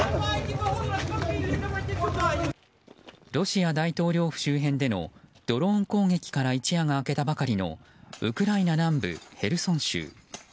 ロシア大統領府周辺でのドローン攻撃から一夜が明けたばかりのウクライナ南部ヘルソン州。